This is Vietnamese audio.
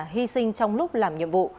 hy sinh trong lúc làm nhiệm vụ